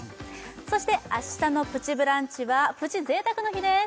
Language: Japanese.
そして明日の「プチブランチ」はプチ贅沢の日です